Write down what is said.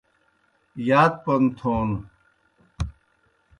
یات پوْن تھون